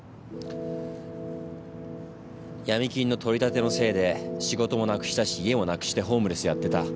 闇金の取り立てのせいで仕事もなくしたし家もなくしてホームレスやってた。